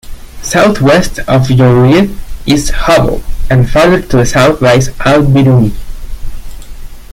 Southwest of Joliet is Hubble and farther to the south lies Al-Biruni.